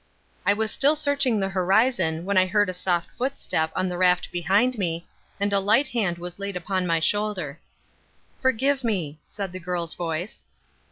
I was still searching the horizon when I heard a soft footstep on the raft behind me, and a light hand was laid upon my shoulder. "Forgive me," said the girl's voice.